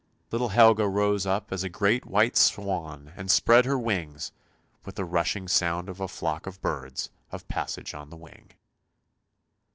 " Little Helga rose up as a great white swan and spread her wings, with the rushing sound of a flock of birds of passage on the wing.